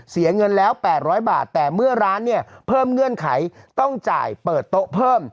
เสียเงินแล้ว๘๐๐บาทแต่เมื่อร้านเนี่ยเพิ่มเงื่อนไขต้องจ่ายเปิดโต๊ะเพิ่ม